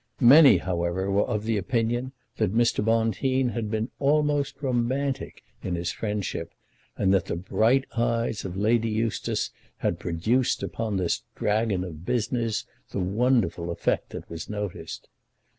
Many, however, were of opinion that Mr. Bonteen had been almost romantic in his friendship, and that the bright eyes of Lady Eustace had produced upon this dragon of business the wonderful effect that was noticed.